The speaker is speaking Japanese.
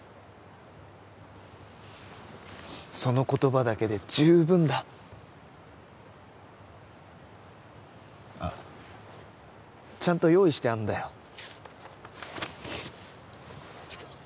その言葉だけで十分だあっちゃんと用意してあるんだよ